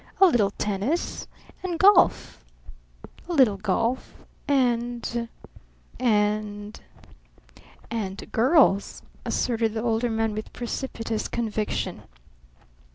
"A little tennis. And golf a little golf. And and " "And girls," asserted the Older Man with precipitous conviction.